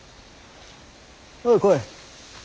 おう来い。